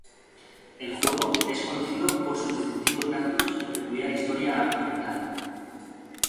El juego es conocido por sus distintivos gráficos y peculiar historia argumental.